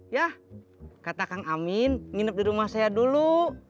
ya kata kang amin nginep di rumah saya dulu